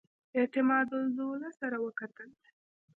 اعتمادالدوله سره وکتل.